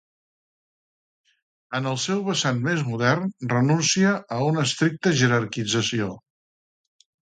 En el seu vessant més modern, renuncie a una estricta jerarquització.